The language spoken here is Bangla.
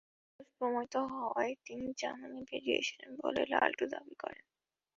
নির্দোষ প্রমাণিত হওয়ায় তিনি জামিনে বেরিয়ে এসেছেন বলে লালটু দাবি করেন।